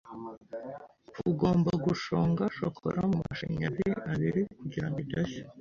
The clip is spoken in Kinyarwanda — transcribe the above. Ugomba gushonga shokora mumashanyarazi abiri kugirango idashya.